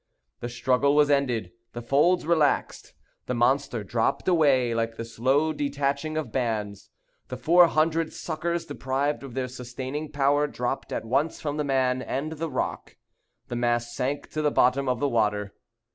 The struggle was ended. The folds relaxed. The monster dropped away, like the slow detaching of bands. The four hundred suckers, deprived of their sustaining power, dropped at once from the man and the rock. The mass sank to the bottom of the water.